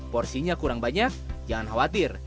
porsinya kurang banyak jangan khawatir